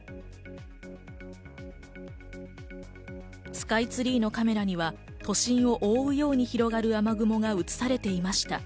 スカイツリーのカメラには都心を覆うように広がる雨雲が映されていました。